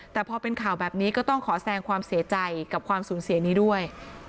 แต่พอเป็นข่าวแบบนี้ก็ต้องขอแสงความเสียใจกับความสูญเสียนี้ด้วย